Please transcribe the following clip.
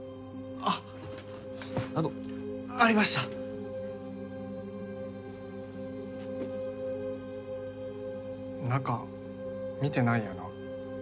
あっあのありました中見てないよな？